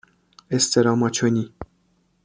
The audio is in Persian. استراماچونی